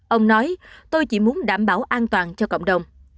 ông nói tôi chỉ muốn đảm bảo an toàn cho cộng đồng